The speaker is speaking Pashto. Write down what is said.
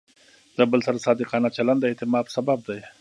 د بل سره صادقانه چلند د اعتماد سبب دی.